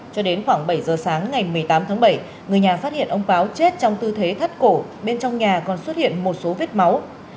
cho đến khoảng bảy giờ sáng ngày một mươi tám tháng bảy người nhà phát hiện ông páo chết trong tư thế thất cổ bên trong nhà còn xuất hiện một số vết máu